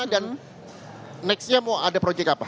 dan next nya mau ada project apa